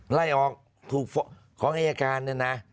หในอีกอาจารย์เนี่ยนะ